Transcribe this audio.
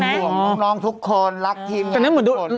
เป็นห่วงน้องทุกคนรักทีมงานทุกคน